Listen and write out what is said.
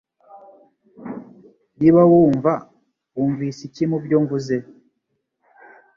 Niba wumva, wumvise iki mubyo mvuze